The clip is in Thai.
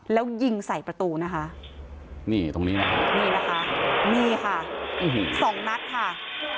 แล้วยิงใส่ประตูนะคะนี่ตรงนี้นะคะนี่นะคะนี่ค่ะสองนัดค่ะ